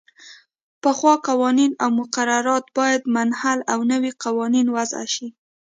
پخوا قوانین او مقررات باید منحل او نوي قوانین وضعه شي.